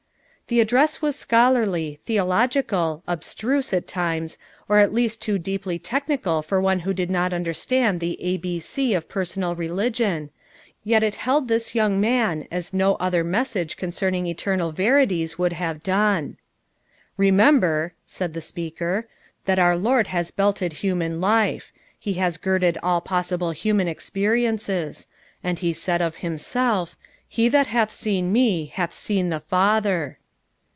The addross was scholarly, theological, ab struse, at times, or at least too deeply technical for one who did not understand the a. b. e. of personal religion, yet it held this young man as no other message concerning eternal veri ties would have done. ".Remember," Haul the speaker, "that our Lord has helled human life; he has girded till possible human experiences; and he said of himself: 41e that hath seen mo, hath seen the Father.'